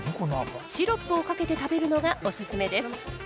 シロップをかけて食べるのがオススメです。